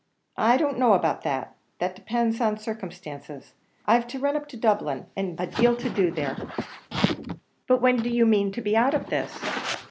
"I don't know about that; that depends on circumstances. I've to run up to Dublin, and a deal to do." "But when do you mean to be out of this?"